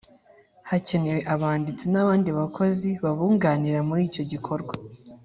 Hakenewe abanditsi n’abandi bakozi babunganira muri icyo gikorwa